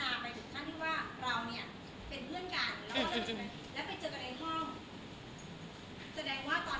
แต่ไม่สามารถบอกได้ครอบคืนเป็นผู้หมาของรู้สึก